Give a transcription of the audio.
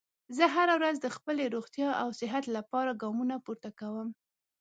زه هره ورځ د خپلې روغتیا او صحت لپاره ګامونه پورته کوم